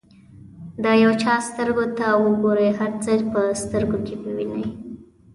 د یو چا سترګو ته وګورئ هر څه یې په سترګو کې ووینئ.